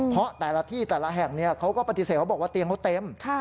เพราะแต่ละที่แต่ละแห่งเขาก็ปฏิเสธเขาบอกว่าเตียงเขาเต็ม